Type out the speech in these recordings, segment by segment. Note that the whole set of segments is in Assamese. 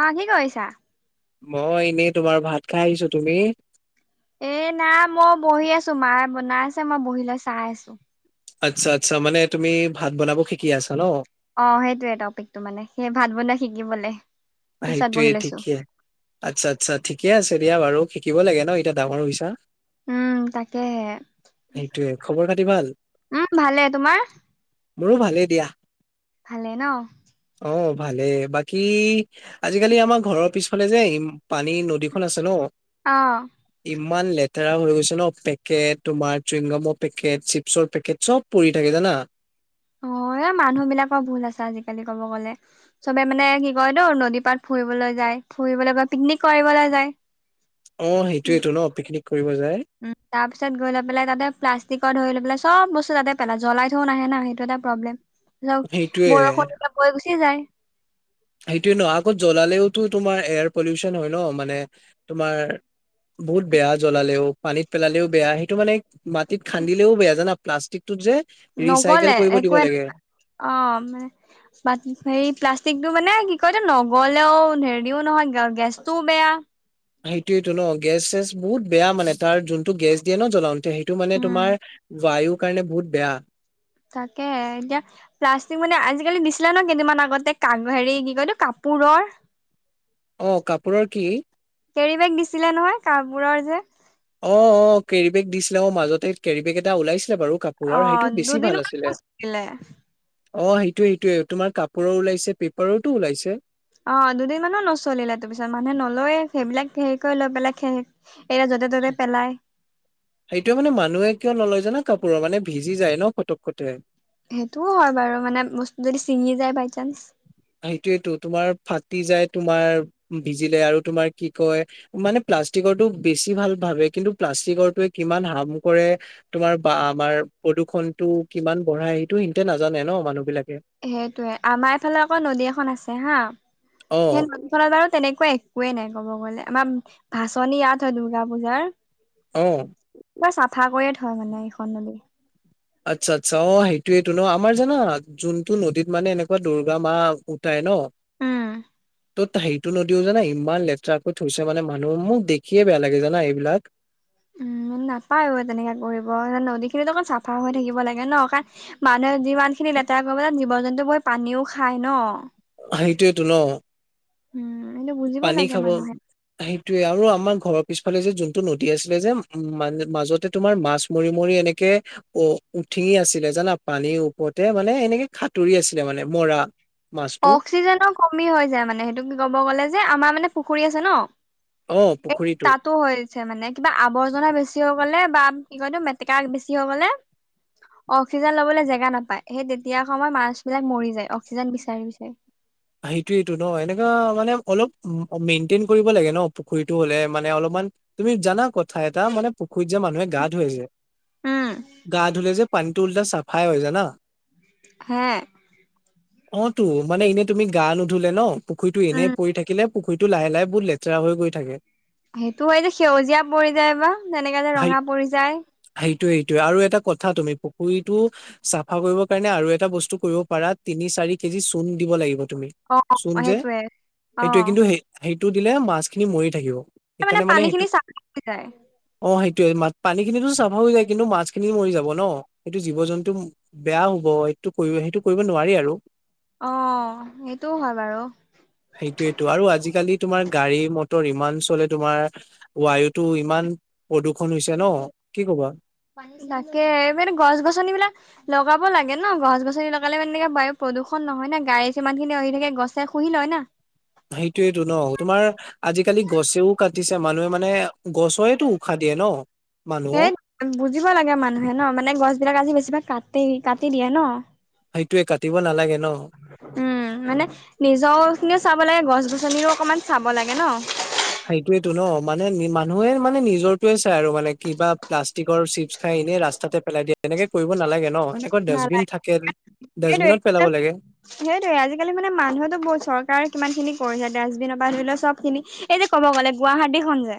অ কি কৰিছা মই এনেই তোমাৰ ভাত খাই আহিছো তুমি এ নাই মই বহি আছো মায় বনাই আছে মই বহি লৈ চাই আছো। আচ্ছা আচ্ছা মানে তুমি ভাত বনাব শিকি আছা ন অ সেইটোয়ে টপিকটো মানে সেই ভাত বনাই শিকিবলৈ সেইটোয়ে ঠিকে আচ্ছা আচ্ছা ঠিকে আছে দিয়া বাৰু শাকিব লাগে ন এতিয়া ডাঙৰ হৈছা উম তাকেহে সেইটোয়ে খবৰ খাতি ভাল উম ভালে তোমাৰ মোৰো ভালেই দিয়া। ভালেই ন অ ভালে বাকী আজিকালি আমাৰ ঘৰৰ পিছফালে যে ই পানী নদীখন আছে ন আহ ইমান লেতেৰা হৈ গৈছে ন পেকেট তোমাৰ চুইংগামৰ পেকেট চিপছৰ পেকেটব পৰি থাকে জান আ অ মানুহ বিলাকৰ ভুল আছে আজিকালি ক'ব গ'লে চবে মানে কি কয় তো নদী পাত ফুৰিবলৈ যায়। ফুৰিবলৈ বা পিকনিক কৰিবলৈ যায়। অ সেইটোয়েতটো ন পিকনিক কৰিব যায় উম তাৰ পিছত গৈলে পেলাই তাতে প্লাষ্টিক ধৰি ল পাই চব বস্তু তাতে পেলা জ্বলাই থও নাহে ন সেইটো এটা পব্লেম। যাওক সেইটোয়ে বৰষুণ যেতিয়া বৈ গুচিয়ে যায় সেইটোৱে ন আগত জ্বলালেওতো তোমাৰ এয়াৰ পলিউচন হয় ন মানে তোমাৰ বহুত বেয়া জ্বলালেও পানীত পেলালেও বেয়া সেইটো মানে মাটিত খান্দিলেও বেয়া জানা প্লাষ্টিক নগলে একোৱে অ হে প্লাষ্টিকটো মানে কি কয়তো নগ'লেও হেৰিও নহয় গেছটোও বেয়া সেইটোয়েটো ন গেছ চেছ বহুত বেয়া মানে তাৰ যোনটো গেছ দিয়ে ন জ্বলাও সেইটো মানে তোমাৰ বায়ুৰ কাৰণে বহুত বেয়া তাকে এতিয়া প্লাষ্টিক মানে আজিকালি দিছিলে ন কেইদিনান আগতে কা হেৰি কি কয়তো কাপ পুৰৰ অ কাপোৰৰ কি কেৰি বেগ দিছিলে নহয় কাপোৰৰ যে অ অ কেৰিবেগ দিছিলে অ মাজতে কেৰিবেগ এটা ওলাইছিল বাৰু অ কাপোৰৰ সেইটো বেছি দুদিন ভাল মান আছিলে নচলিলে অ সেইটোৱে সেইটোৱে তোমাৰ কাপোৰৰ ওলাইছে পেপাৰৰো ওলাইছে অ দুদিন মানো নচলিলে কৈ লৈ পেলাই এয়া য'তে ত'তে পেলাই সেইটোৱে মানে মানুহে কিয় নলয় যানা কাপোৰৰ মানে ভিজি যায় ন ফটক কটে সেইটোও হয় বাৰু মানে বস্তু যদি ছিঙি যায় বাই চান্স সেইটোৱেটো তোমাৰ ফাটি যায় তোমাৰ ভিজিলে আৰু তোমাৰ কি কয় মানে প্লাষ্টিকৰটো বেছি ভাল ভাবে কিন্তু প্লাষ্টিকৰটোৱে কিমান হাৰ্ম কৰে তোমাৰ বা আমাৰ প্ৰদূষণ টো কিমান বঢ়াই সেইটো সিতে নাজানে ন মানুহ বিলাক সেইটোৱে আমাৰ এইফালে আকৌ নদী এখন আছে হা অ সেই নদীখনত বাৰু তেনেকুৱা একোৱে নাই ক'ব গলে আমাৰ ভাচনি ইয়াত হয় দুৰ্গা পূজাৰ অ পোৰা চাফা কৰিয়ে থউ মানে এইখন নদী। আচ্ছা আচ্ছা অ সেইটোৱেটো ন আমাৰ জানা যোনটো নদীত মানে এনেকুৱা দুৰ্গা মা উঠাই ন উম ত' সেইটো নদীও জানা ইমান লেতেৰাকৈ থৈছে মানে মানুহ মোক দেখিয়ে বেয়া লাগে জানা এইবিলাক। উম নাপায় তেনেকে কৰিব নদী খিনিত অকণ চাফা হৈ থাকিব লাগে ন কাৰণ মানুহে যিমানখিনি লেতেৰা কৰিব জীৱ জন্তু গৈ পানীও খায় ন সেইটোৱেটো ন উম সেইটো বুজিব পানী লাগে খাব মানুহে সেইটোৱে আৰু আমাৰ ঘৰত পিছফালে যে যোনটো নদী আছিলে যে উম মাজতে তোমাৰ মাছ মৰি মৰি এনেকে অ ঠিঙি আছিলে জানা পানীৰ ওপৰতে মানে এনেকে হাতুৰী আছিলে মানে মৰা মাছটো অক্সিজেনৰ কমি হৈ যায় মানে সেইটো কি ক'ব গ'লে যে আমাৰ মানে পুখুৰী আছে ন অ এই পুখুৰীটো তাতো হৈছে মানে কিবা আৱৰ্জনা বেছি হৈ গ'লে বাম কি কয়তো মেটেকা বেছি হ'য় গলে অক্সিজেন লব জেগা নাপায় সেই তেতিয়া সময়ত মাছ বিলাক মৰি যায় অক্সিজেন বিচ বিচাৰি বিচাৰি সেইটোয়েইটো ন এনেকা মানে অলপ মেইনটেইন কৰিব লাগে ন পুখুৰীতটো হ'লে মানে অলপ মান তুমি জানা কথা এটা মানে পুখুৰীত যে মানুহে গা ধুৱে যে মান উম গা ধুলে যে পানীটো উল্টা চাফাই হৈ জানা হে অ টো মানে এনে তুমি গা নুধুলে ন পুখুৰতটো এনেই উম পৰি থাকিলে পুখুৰীতো লাহে লাহে বহুত লেতেৰা হৈ গৈ থাকে সেইটো হয় যে সেউজীয়া পৰি যায় বা তেনেকা যে ৰঙা পৰি যায় সেইটোৱে, আৰু এটা কথা তুমি পুখুৰীতো চাফা কৰিব কাৰণে আৰু এটা বস্তু কৰিব পাৰা তিনি চা চাৰি কেজি চোন দিব লাগিব তুমি অ চোন যে সেইটোৱে অ সেইটোৱে কিন্তু সেই দিলে মাছ খিনি মৰি থাকিব সেইকাৰণে মানে পানী সেইটো খিনি চাফা হৈ যায় অ সে টোৱে পানী খিনিটো চফা হৈ যায় কিন্তু মাছ খিনি মৰি যাব ন সেইটো জীৱ জন্তু বেয়া হব সেইটো সেইটো কৰিব নোৱাৰি আৰু অ সেইটোও হয় বাৰু সেইটোয়েতটো আৰু আজিকালি তোমাৰ গাড়ী মটৰ ৰ ইমান চলে তোমাৰ ৱায়োটো ইমান প্ৰদূষণ হৈছে ন কি ক'বা? তাকে মানে গছ গছনিবলাক লগাব লাগে ন গছ গছনি লগালে মানে বায়ু প্ৰদূষণ নহয় না গাড়ীযিমান খিনি আহি থাকে গছে শুহি লয় না সেইটোয়ো ন তোমাৰ আজিকালি গছেও কাটিছে মানুহে মানে হয়েতো উশাহ দিয়ে ন। সেই মানুহক বুজিব লাগে মানুহে ন মানে গছ বিলাক আজি বেছিভাগ কাটেই কাটি দিয়ে ন সেইটয়ে কাটিব নালাগে ন উম মানে নিজৰ খিনি চাব লাগে গছ গছ গননিও অকণমান চাব লাগে ন সেইটোয়েতো ন মানে মানুহে মানে নিজৰটোয়ে চাই আৰু মানে কিবা প্লাষ্টিকৰ চিপছ খাই এনেই ৰাস্তাতে পেলাই দিয়ে এনেকে কৰিব নালাগে ন এনেকৈ ডাষ্টবিন নালাগে থাকে ডাষ্টবিনত পেলাব লাগে সেইটয়ে আজিকালি মানে মানুহতো বহু চৰকাৰে কিমান খিনি- পৰিছে ডাষ্টবিননৰ পৰা ধৰিলেও সব খিনি এই যে ক'ব গ'লে গুৱাহাটী খন যে।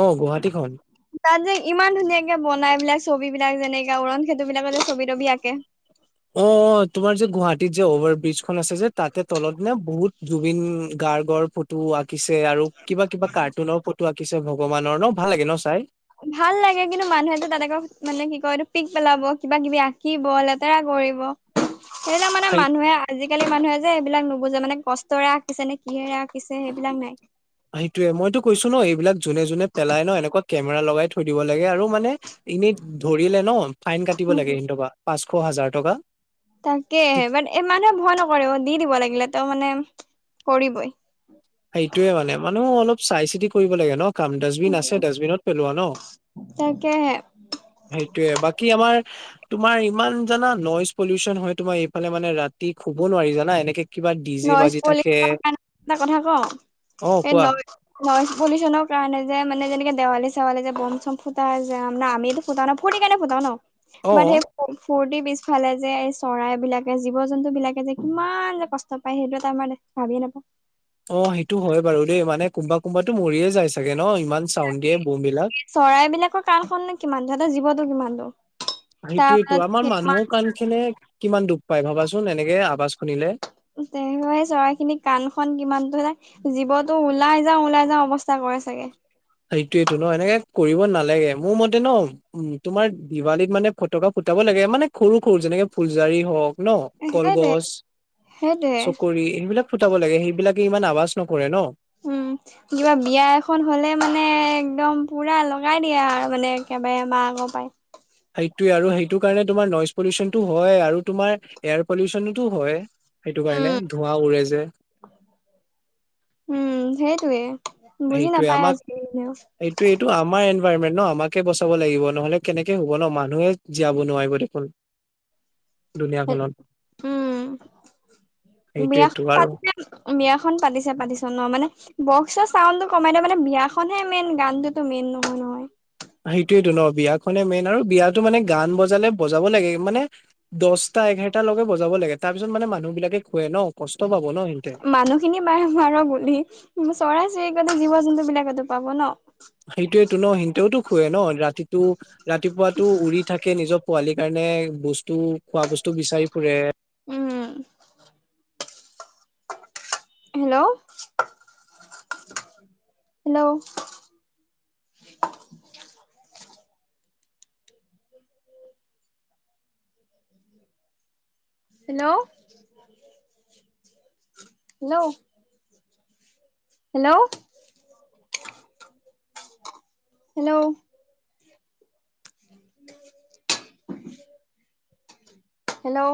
অ গুৱাহাটীখন যে ইমান ধুনীয়াকে বনাই পেলাই ছবি বিলাক যেনেকে উওৰণ সেতু বিলাকলে ছবি তবি আঁকে অ তোমাৰ যে গুৱাহাটীৰ যে অভাৰ ব্ৰিজখন আছে যে তাতে তলত নে বহুত জুবিন গ গাৰ্গৰ ফটো আঁকিছে আৰু কিবা কিবা কাৰ্টুনৰ ফটো আঁকিছে ভগৱানৰ ন ভাল লাগে ন চাই ভাল লাগে কিন্তু মানুহেতটো তাত আকৌ মানে কি কয় এইটো পিক পেলাব কিবা কিবি আঁকিব লেতেৰা কৰিব সেইবিলাক মানে সেই মানুহে আজি আজিকালি মানুহে যে এইবিলাক নুবুজে মানে কষ্টৰে আঁকিছে কিহৰে আঁকিছে সেইবিলাক নাই সেইটোয়ে মইতো কৈছো ন এইবিলাক যোনে যোনে পেলাই ন এনেকুৱা কেমেৰা লগাই থৈ দিব লাগে আৰু মানে এনে ধৰিলে ন ফাইন কাটিব উম, লাগে ইহঁতৰ পা শ হাজাৰ টকা তাকে ব এই মানুহে ভয় নকৰে দি দিব লাগিলে তো মানে কৰিবই সেইটোয়ে মানে মানুহ অলপ চাই চিতি কৰিব লাগে ন কাম ডাষ্টবিন আছে ডাষ্টবিনত পেলোৱা ন তাকেহে সেইটোয়ে বাকী আমাৰ তোমাৰ ইমান জানা নইজ পলিউচন হয় তোমাৰ এইফালে মানে ৰাতি শুব নোৱাৰি জানা এনেকে। কিবা ডিজে নইজ বাজি থাকে পলিউচনৰ কাৰণে এটা কথা অ কওঁ এই কোৱা নইজ নইজ পলিউচনৰ কাৰণে যে মানে যেনেকে দেৱালী চেৱালী যে বম চম ফুটাই যে আমিতো ফুটা ন ফূৰ্তি কেনে ফুটাও ন অ বাত সেই ফূৰ্তিৰ পিছফালে যে এই চৰাই বিলাকে জীৱ জন্তু বিলাকে যে কিমান যে কষ্ট। নাপায় সেইটো আমাৰ ভাবিয়ে নাপায় অ সেইটো হয় বাৰু দেই মানে কোনবা কোনবাতো মৰিয়ে যায় চাগে ন ইমান চাউণ্ড দিয়ে বম বিলাক চৰাই বিলাকৰ কাণ খন নু কিমান সিহঁতৰ জীৱতটো কিমানতো। সেইটোয়েটো আমাৰ মানুহৰ কাণখনে কিমান দুখ পায় ভাবাচোন এনেকে আৱাজ শুনিলে। তে সেই চৰাই খিনি কাণ খন কিমানতো জীৱতো ওলাই যাও ওলাই যাও অৱস্থা কৰে হয় চাগে। সেইটোয়েইটো ন এনেকে কৰিব নালাগে মোৰ মতে ন উম তোমাৰ দিৱালীত মানে ফটকা ফুটাব লাগে মানে সৰু সৰু যেনেকে ফুলজাৰী হওঁক ন সেইটোৱে কলগছ সেইটোৱে চকৰি এইনবিলাক ফুটাব লাগে সেইবিলাক ইমান আৱাজ নকৰে ন উম কিবা বিয়া এখন হ'লে মানে একদম পুৰা লগাই দিয়া আৰু মানে একেবাৰে মাৰ গম পাই সেইটোৱে আৰু সেইটো কাৰণে তোমাৰ নইজ পলিউচনতটো হয় আৰু তোমাৰ এয়াৰ পলিউচনতো হয়। সেইটো উম কাৰণে ধোঁৱা উৰে যে উম সেইটোৱে বুজি সেইটোয়ে নাপায় আমাক আজিকালি কোনেও। সেইটোয়ে এইটো আমাৰ এ পাৰিয়ে ন আমাৰ কেইবছৰ হ'ব লাগিব নহ'লে কেনেকে হ'ব ন মানুহে জীয়াব নোৱাৰিব দেখোন। দুনীয়াখনত উম বিয়াখন পাতিছে বিয়াখন পাতিছে পাতিছ ন মানে বক্সৰ চাউনটো কমাই দিওঁ মানে বিয়াখনহে মেইন গানটোতো মেইন নহয় নহয়। সেইটোৱে তো ন বিয়াখনে মেইন আৰু বিয়াতটো মানে গান বজালে বজাব লাগে মানে দহটা এঘাৰটা লকে বজাব লাগে তাৰ পিছত মানে মানুহ বিলাকে খুৱে ন' কষ্ট পাব। ন সিহঁতে মানুহখিনি বাৰু মাৰ' গুলি চৰাই-চিৰিকটি জীৱ-জন্তু বিলাকেতো পাব ন'? টো ৰাতিপুৱাতটো উৰি থাকে নিজৰ পোৱালি কাৰণে বস্তু, খোৱা বস্তু বিচাৰি ফুৰে। Um hello hello hello hello! Hello hello hello